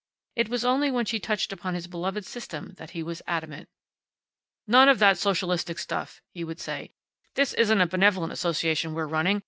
It was only when she touched upon his beloved System that he was adamant. "None of that socialistic stuff," he would say. "This isn't a Benevolent Association we're running.